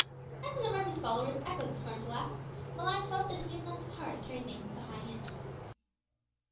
As a number of his followers echoed the scornful laugh, Malines felt that he had not the power to carry things with a high hand.